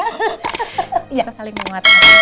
kita saling memuat